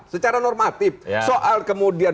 secara normatif soal kemudian